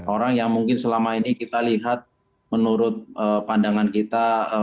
orang yang mungkin selama ini kita lihat menurut pandangan kita